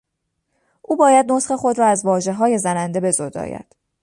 او باید نطق خود را از واژههای زننده بزداید.